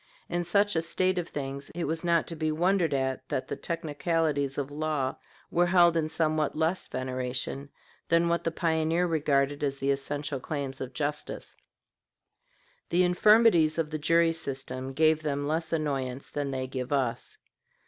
In such a state of things it was not to be wondered at that the technicalities of law were held in somewhat less veneration than what the pioneer regarded as the essential claims of justice. The infirmities of the jury system gave them less annoyance than they give us.